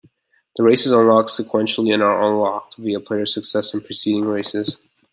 The races unlock sequentially and are unlocked via player success in preceding races.